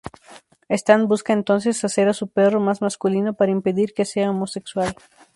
Stan busca entonces hacer a su perro más masculino, para impedir que sea homosexual.